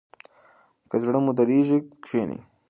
که زړه مو درزیږي کښینئ.